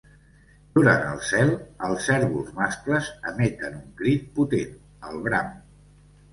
Durant el zel, els cérvols mascles emeten un crit potent, el bram.